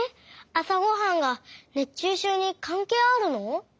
あさごはんが熱中症にかんけいあるの？